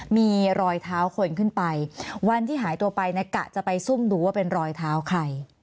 มีรอยเท้าคนขึ้นไปวันที่หายตัวไปเนี่ยกะจะไปซุ่มดูว่าเป็นรอยเท้าใคร